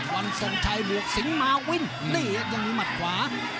วันศงชัยบวกสิงหมาวินนี่ยังมีมันหลวง